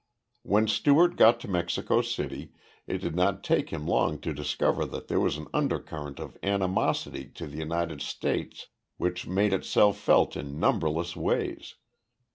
When Stewart got to Mexico City, it did not take him long to discover that there was an undercurrent of animosity to the United States which made itself felt in numberless ways.